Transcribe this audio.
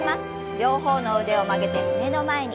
両方の腕を曲げて胸の前に。